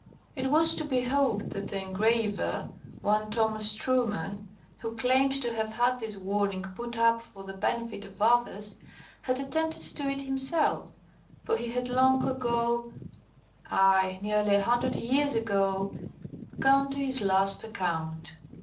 It was to be hoped that the engraver (one Thomas Trueman), who claimed to have had this warning put up for the benefit of others, had attended to it himself, for he had long ago–aye! nearly a hundred years ago–gone to his last account.